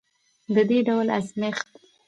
د دې ډول ازمیښت